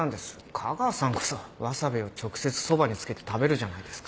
架川さんこそわさびを直接そばにつけて食べるじゃないですか。